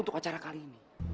untuk acara kali ini